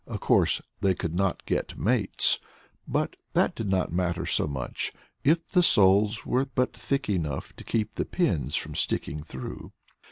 Of course they could not get mates, but that did not matter so much, if the soles were but thick enough to keep the pins from sticking through.